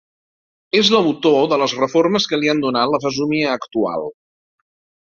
És l'autor de les reformes que li han donat la fesomia actual.